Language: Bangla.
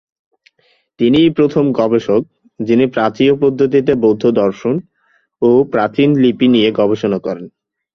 তিনিই প্রথম গবেষক যিনি প্রাচ্যীয় পদ্ধতিতে বৌদ্ধ দর্শন ও প্রাচীন লিপি নিয়ে গবেষণা করেন।